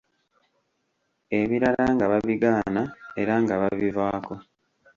Ebirala nga babigaana era nga babivaako.